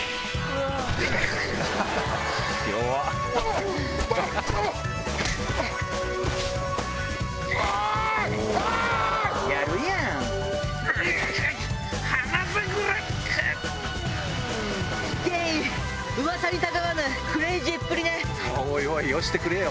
おいおいよしてくれよ！